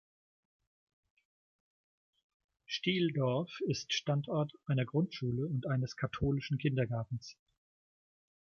Stieldorf ist Standort einer Grundschule und eines katholischen Kindergartens.